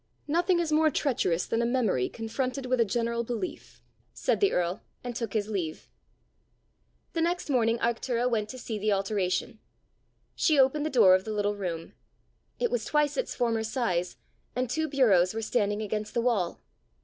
"Nothing is more treacherous than a memory confronted with a general belief," said the earl, and took his leave. The next morning Arctura went to see the alteration. She opened the door of the little room: it was twice its former size, and two bureaus were standing against the wall!